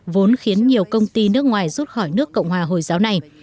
vốn khiến nhiều công ty nước ngoài rút khỏi nước cộng hòa hồi giáo này